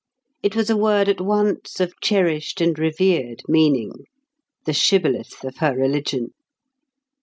It was a word at once of cherished and revered meaning—the shibboleth of her religion.